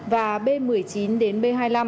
và b một mươi chín đến b hai mươi năm